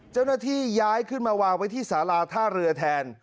เจ้าหน้าที่ย้ายขึ้นมาวางไว้ที่สาราท่าเรือแทน